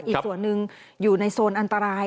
อีกส่วนหนึ่งอยู่ในโซนอันตราย